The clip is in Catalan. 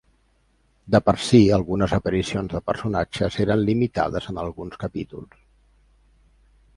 De per si, algunes aparicions de personatges eren limitades en alguns capítols.